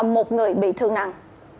một người bị thương nặng